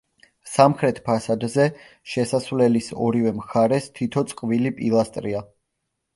სამხრეთ ფასადზე, შესასვლელის ორივე მხარეს, თითო წყვილი პილასტრია.